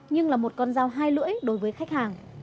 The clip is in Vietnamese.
nhưng là một con dao hai lưỡi đối với khách hàng